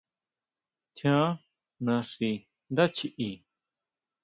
¿Tjián naxi ndá chiʼí?